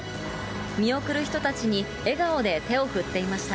見送る人たちに笑顔で手を振っていました。